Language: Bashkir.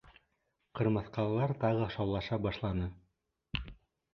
Ҡырмыҫҡалар тагы шаулаша башланы.